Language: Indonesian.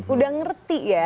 udah ngerti ya